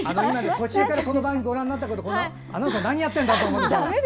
途中からこの番組をご覧になった方アナウンサー何言ってるんだと思うでしょう。